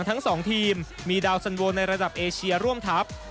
ทีมมีดาวสันวอลในระดับเอเชียร่วมทัพ